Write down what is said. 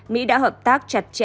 mỹ đã hợp tác chặt chẽ